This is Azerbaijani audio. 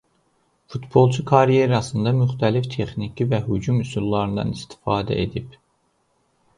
Futbolçu karyerasında müxtəlif texnika və hücum üsullarından istifadə edib.